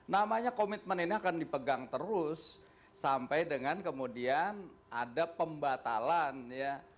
namanya komitmen ini akan dipegang terus sampai dengan kemudian ada pembatalan ya